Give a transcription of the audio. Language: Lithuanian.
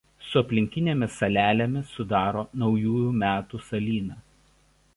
Su aplinkinėmis salelėmis sudaro Naujųjų Metų salyną.